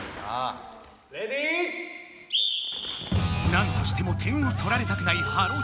なんとしても点をとられたくない「ｈｅｌｌｏ，」